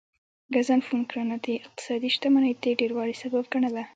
ګزنفون کرنه د اقتصادي شتمنۍ د ډیروالي سبب ګڼله